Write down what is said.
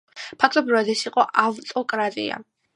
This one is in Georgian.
ფაქტობრივად ეს იყო ავტოკრატია.